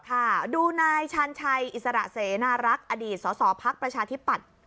ค่ะดูนายชาญชัยอิสระเสนารักษ์อดีตสสพักประชาธิปัตย์